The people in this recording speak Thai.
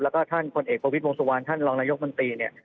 แล้วก็ท่านพลเอกประวิทย์วงสุวรรณท่านรองนายกมนตรีเนี่ย